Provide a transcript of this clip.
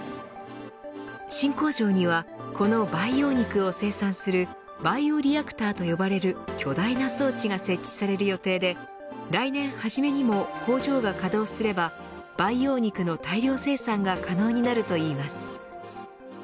新工場にはこの培養肉を生産するバイオリアクターと呼ばれる巨大な装置が設置される予定で来年初めにも工場が稼働すれば培養肉の大量生産が可能になるといいます。